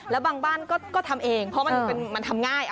แล้วบางบ้านก็ทำเองเพราะมันทำง่าย